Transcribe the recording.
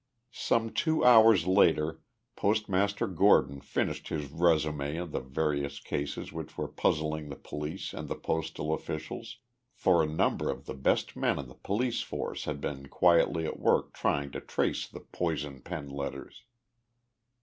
Some two hours later Postmaster Gordon finished his résumé of the various cases which were puzzling the police and the postal officials, for a number of the best men on the police force had been quietly at work trying to trace the poison pen letters.